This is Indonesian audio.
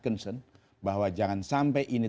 concern bahwa jangan sampai ini